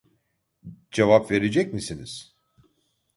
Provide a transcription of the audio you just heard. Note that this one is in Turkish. Cevap verecek misiniz?